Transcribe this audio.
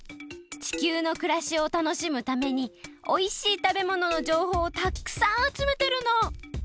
地球のくらしを楽しむためにおいしいたべもののじょうほうをたくさんあつめてるの！